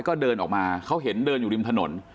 ก็เดินออกมาเขาเห็นเดินอยู่ริมถนน